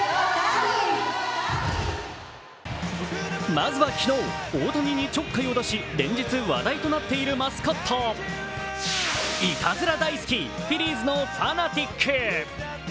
まずは昨日、大谷にちょっかいを出し連日話題となっているマスコット、いたずら大好き、フィリーズのファナティック。